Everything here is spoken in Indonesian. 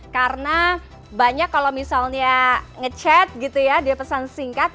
karena banyak kalau misalnya nge chat gitu ya dia pesan singkat